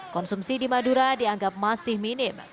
konsumsi di madura dianggap masih minim